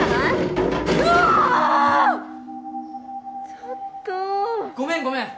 ちょっとごめんごめん